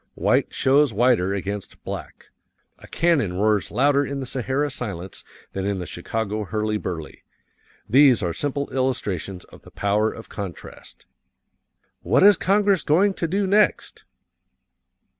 White shows whiter against black; a cannon roars louder in the Sahara silence than in the Chicago hurly burly these are simple illustrations of the power of contrast. "What is Congress going to do next?